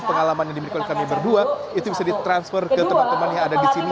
pengalaman yang dimiliki oleh kami berdua itu bisa ditransfer ke teman teman yang ada di sini